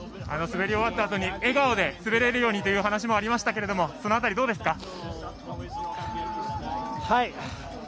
滑り終わったあとに笑顔で滑れるようにというお話もありましたがその辺りはどうですか？